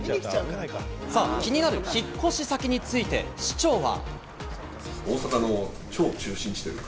気になる引っ越し先について、市長は。